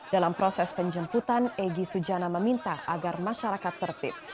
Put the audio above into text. dalam proses penjemputan egy sujana meminta agar masyarakat tertib